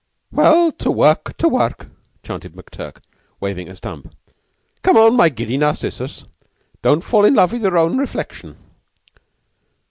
"Well, to work, to work!" chanted McTurk, waving a stump. "Come on, my giddy Narcissus. Don't fall in love with your own reflection!"